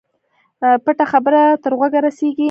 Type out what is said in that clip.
پټه خبره تر غوږه رسېږي.